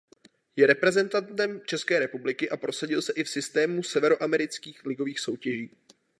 Je reprezentantem České republiky a prosadil se i v systému severoamerických ligových soutěží.